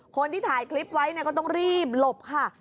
คนที่ถ่ายคลิปไว้ก็ต้องรีบหลบค่ะ